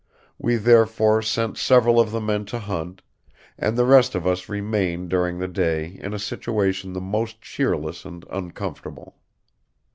We therefore sent several of the men to hunt, and the rest of us remained during the day in a situation the most cheerless and uncomfortable.